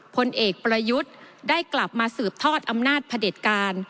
พลเอกประยุทธ์ได้กลับมาสืบทอดอำนาจพระเด็จการ